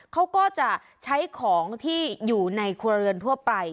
เขาก็จะใช้ของที่อยู่ในครัวเรือนทั่วไป